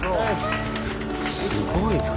すごいな。